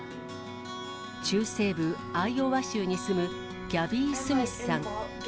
中西部アイオワ州に住むギャビー・スミスさん。